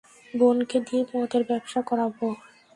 বোনকে দিয়ে মদের ব্যবসা করাবো?